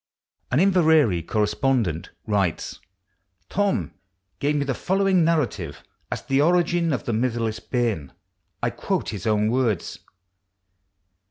An Inverary corresponds nt writes :" Thorn gave me the following narrative as to the origin of 'The Mitherless' Bairn'; I quote Ins own words.